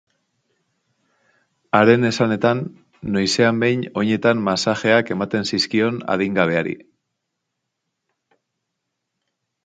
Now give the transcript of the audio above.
Haren esanetan, noizean behin oinetan masajeak ematen zizkion adingabeari.